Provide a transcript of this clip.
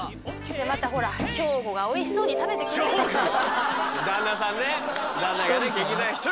またほら省吾が省吾がおいしそうに食べてくれるから。